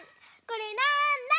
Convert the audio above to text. これなんだ？